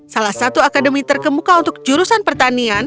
salah satu akademi terkemuka untuk jurusan pertanian